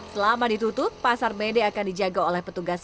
selama ditutup pasar mede akan dijaga oleh petugas